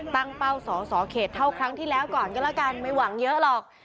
ตั้งเป้าสอสอเขตเท่าครั้งที่แล้วก่อนก็แล้วกันไม่หวังเยอะหรอก